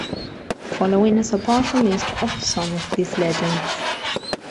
The following is a partial list of some of these legends.